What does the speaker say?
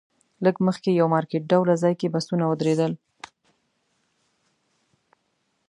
لږ مخکې یو مارکیټ ډوله ځای کې بسونه ودرېدل.